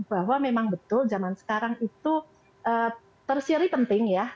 bahwa memang betul zaman sekarang itu tersiary penting ya